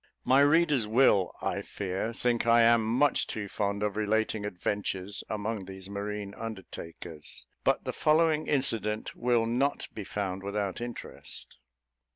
My readers will, I fear, think I am much too fond of relating adventures among these marine undertakers; but the following incident will not be found without interest.